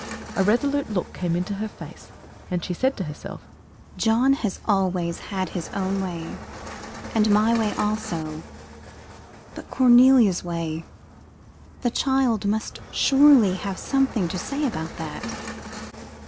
A resolute look came into her face and she said to herself, "John has always had his own way and my way also; but Cornelia's way the child must surely have something to say about that."